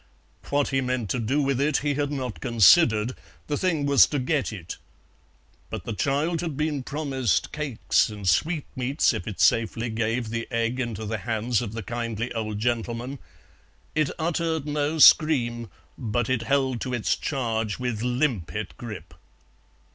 What he meant to do with it he had not considered, the thing was to get it. But the child had been promised cakes and sweetmeats if it safely gave the egg into the hands of the kindly old gentleman; it uttered no scream, but it held to its charge with limpet grip.